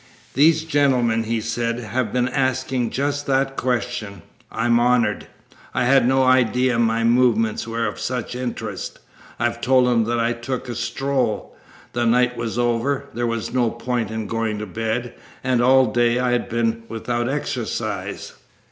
"These gentlemen," he said, "have been asking just that question. I'm honoured. I had no idea my movements were of such interest. I've told them that I took a stroll. The night was over. There was no point in going to bed, and all day I had been without exercise."